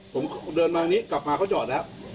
ผมเดินมานี่กลับมาเขาจอดละ